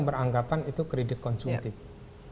beranggapan itu kredit konsumtif